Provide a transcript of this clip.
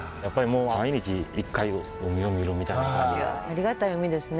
ありがたい海ですね。